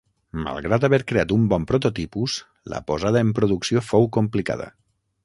Malgrat haver creat un bon prototipus, la posada en producció fou complicada.